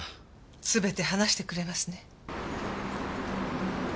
全て話してくれますね？